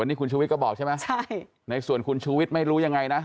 นี่คุณชูวิทย์ก็บอกใช่ไหมใช่ในส่วนคุณชูวิทย์ไม่รู้ยังไงนะ